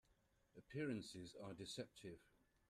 Appearances are deceptive.